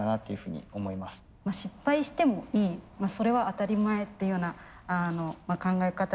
失敗してもいいそれは当たり前っていうような考え方で。